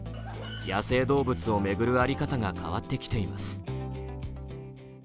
野生動物を巡る在り方が変わってきています。